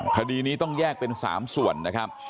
คดีนี้ต้องแยกเป็น๓ส่วนนะครับ